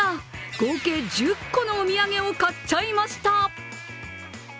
合計１０個のお土産を買っちゃいました！